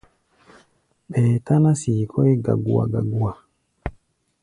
Ɓɛɛ táná sii kɔ́ʼí gagua-gagua.